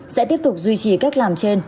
sẽ tiếp tục duy trì cách làm trên